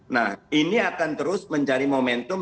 nah ini akan terus mencari momentum